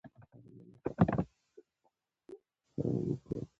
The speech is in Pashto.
سلام جان اکا امدې ته ناست و.